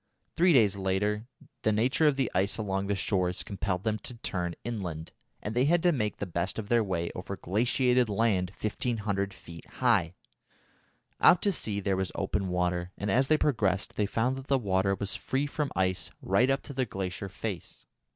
Three days later the nature of the ice along the shores compelled them to turn inland, and they had to make the best of their way over glaciated land 1500 feet high. Out to sea there was open water, and as they progressed they found that the water was free from ice right up to the glacier face.